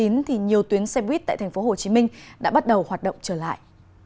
nhiều tuyến xe buýt tại tp hcm đã bắt đầu hoạt động trở lại